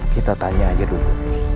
kita tanya aja dulu